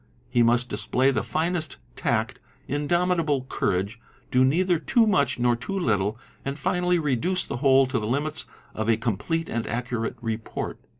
He must display the finest tact, indomitable courage, do neither too much nor too little, and finally reduce the whole to the limits of a complete and accurate report.